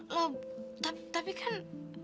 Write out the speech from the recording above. loh tapi kan